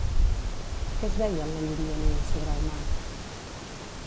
Què es veia en la llunyania sobre el mar?